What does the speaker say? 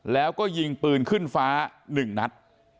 แล้วก็ยิงปืนขึ้นฟ้า๑นัด